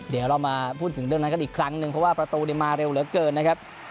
เดี๋ยวเรามาพูดถึงเรื่องนั้นกันอีกครั้งหนึ่งเพราะว่าประตูมาเร็วเหลือเกินนะครับ